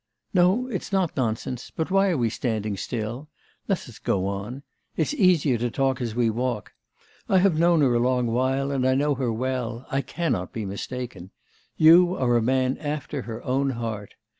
'No, it's not nonsense. But why are we standing still? Let us go on. It's easier to talk as we walk. I have known her a long while, and I know her well. I cannot be mistaken. You are a man after her own heart.